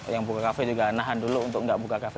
yang buka kafe juga nahan dulu untuk nggak buka kafe